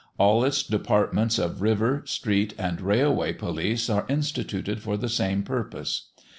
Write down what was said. All its departments of river, street, and railway police are instituted for the same purpose.